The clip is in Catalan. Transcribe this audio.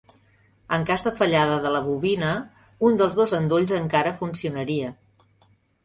En cas de fallada de la bobina, un dels dos endolls encara funcionaria.